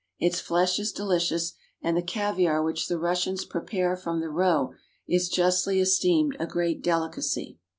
Its flesh is delicious, and the caviare which the Russians prepare from the roe is justly esteemed a great delicacy.